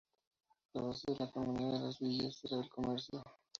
La base de la economía de las villas era el comercio.